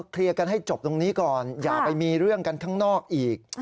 เคลียร์กันให้จบตรงนี้ก่อนอย่าไปมีเรื่องกันข้างนอกอีก